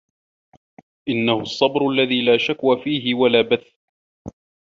إنَّهُ الصَّبْرُ الَّذِي لَا شَكْوَى فِيهِ وَلَا بَثَّ